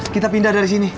kita pindah dari sini